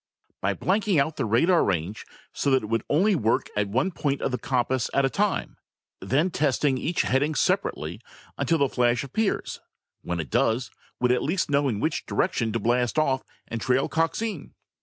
"By blanking out the radar range, so that it would only work at one point of the compass at one time, then testing each heading separately until the flash appears. When it does, we'd at least know in which direction to blast off and trail Coxine.